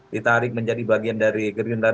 ditarik menjadi bagian dari gerinda pkb